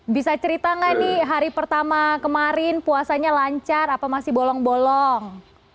bisa cerita nggak nih hari pertama kemarin puasanya lancar apa masih bolong bolong